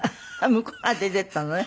向こうが出て行ったのね。